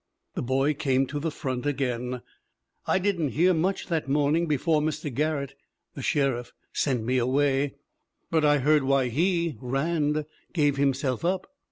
"The boy came to the front again. 'I didn't hear much that morning before Mr. Garrett [the sheriff] sent me away, but I heard why he [Rand] gave him self up.